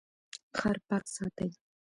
ښار پاک ساتئ